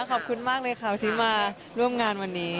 ขอบคุณมากเลยค่ะที่มาร่วมงานวันนี้